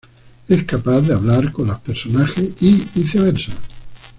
Es capaz de hablar con los personajes, y viceversa.